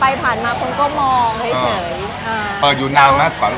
วันนึงไม่กี่โต๊ะก็พอแล้ว